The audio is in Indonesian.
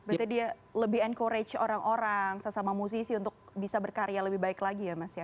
berarti dia lebih encourage orang orang sesama musisi untuk bisa berkarya lebih baik lagi ya mas ya